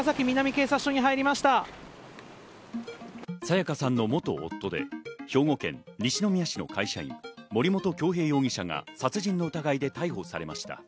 彩加さんの元夫で兵庫県西宮市の会社員・森本恭平容疑者が殺人の疑いで逮捕されました。